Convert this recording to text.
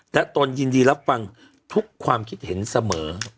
และตนยินดีรับฟังทุกความคิดเห็นเสมอ